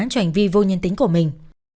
cho hành vi vô nhân tính của mình